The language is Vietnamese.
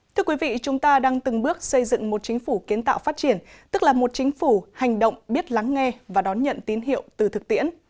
thưa quý vị chúng ta đang từng bước xây dựng một chính phủ kiến tạo phát triển tức là một chính phủ hành động biết lắng nghe và đón nhận tín hiệu từ thực tiễn